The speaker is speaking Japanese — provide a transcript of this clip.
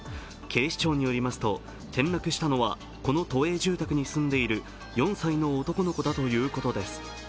警視庁によりますと転落したのはこの都営住宅に住んでいる４歳の男の子だということです。